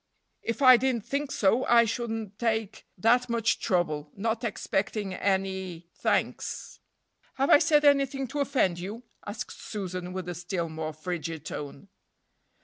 "If I didn't think so, I shouldn't take that much trouble, not expecting any thanks." "Have I said anything to offend you?" asked Susan, with a still more frigid tone.